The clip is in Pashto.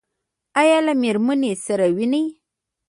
ایا له میرمنې سره وینئ؟